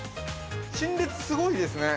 陳列すごいですね。